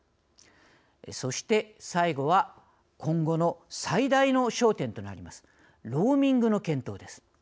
そして、最後は今後の最大の焦点となりますローミングの検討です。